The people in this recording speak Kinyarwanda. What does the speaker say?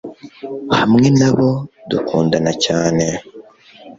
hamwe nabo dukunda cyane